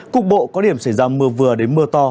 cục bộ có điểm xảy ra mưa vừa đến mưa to